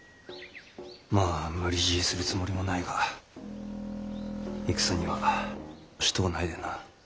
まあ無理強いするつもりもないが戦にはしとうないでな。